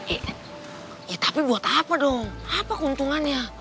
eh ya tapi buat apa dong apa keuntungannya